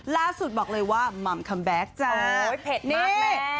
ล่าสุดบอกเลยว่าคำแบตจำโอ้ยเผ็ดมากแหละนี่